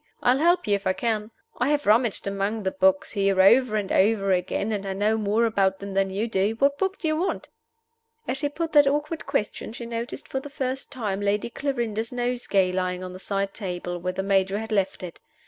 I'll help you if I can. I have rummaged among the books here over and over again, and I know more about them than you do. What book do you want?" As she put that awkward question she noticed for the first time Lady Clarinda's nosegay lying on the side table where the Major had left it.